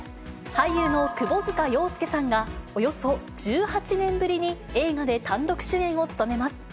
俳優の窪塚洋介さんが、およそ１８年ぶりに映画で単独主演を務めます。